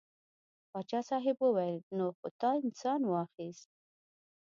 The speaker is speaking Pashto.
پاچا صاحب وویل نو خو تا انسان واخیست.